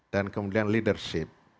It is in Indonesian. dan kemudian leadership